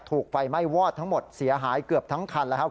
ถูกไฟไหม้วอดทั้งหมดเสียหายเกือบทั้งคันแล้วครับ